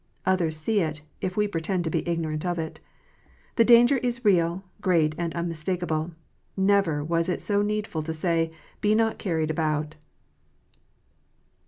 Others see it, if we pretend to be ignorant of it. The danger is real, great, and unmistakable. Never was it so needful to say, " Be not carried about."